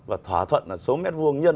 và thỏa thuận là số mét vuông nhân